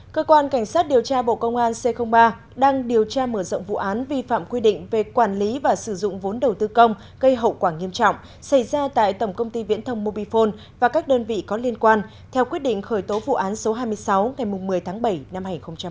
cơ quan cảnh sát điều tra bộ công an c ba đang điều tra mở rộng vụ án vi phạm quy định về quản lý và sử dụng vốn đầu tư công gây hậu quả nghiêm trọng xảy ra tại tổng công ty viễn thông mobifone và các đơn vị có liên quan theo quyết định khởi tố vụ án số hai mươi sáu ngày một mươi tháng bảy năm hai nghìn hai mươi